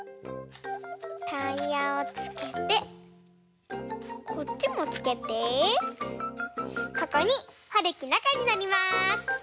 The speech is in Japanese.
タイヤをつけてこっちもつけてここにはるきなかにのります！